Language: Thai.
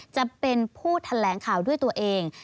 จะเป็นผู้แถลงข่าวด้วยตัวเอง